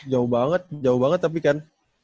jauh banget jauh banget tapi kan